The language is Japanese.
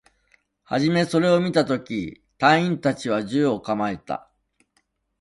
はじめそれを見たとき、隊員達は銃を構えた